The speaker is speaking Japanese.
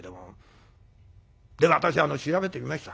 私調べてみました。